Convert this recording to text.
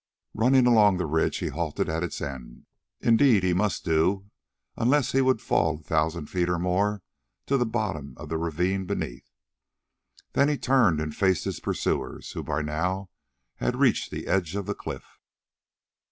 Running along the ridge he halted at its end: indeed he must do, unless he would fall a thousand feet or more to the bottom of the ravine beneath. Then he turned and faced his pursuers, who by now had reached the edge of the cliff.